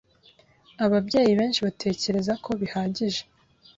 Ababyeyi benshi batekereza ko bihagije